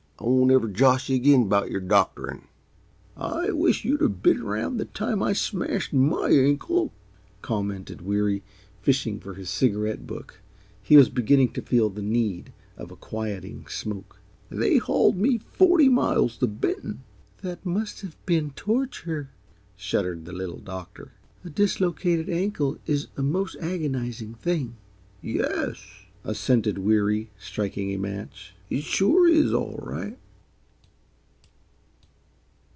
I won't ever josh yuh again about yer doctorin'!" "I wish you'd been around the time I smashed MY ankle," commented Weary, fishing for his cigarette book; he was beginning to feel the need of a quieting smoke. "They hauled me forty miles, to Benton." "That must have been torture!" shuddered the Little Doctor. "A dislocated ankle is a most agonizing thing." "Yes," assented Weary, striking a match, "it sure is, all right."